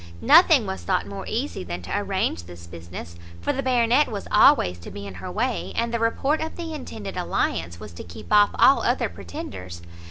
Nothing was thought more easy than to arrange this business, for the Baronet was always to be in her way, and the report of the intended alliance was to keep off all other pretenders.